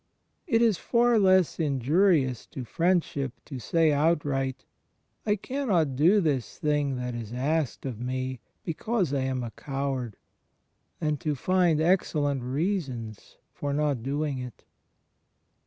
It is far less injurious to friendship to say outright, ''I cannot do this thing that is asked of me, because I am a coward," than to find excellent reasons for not doing it.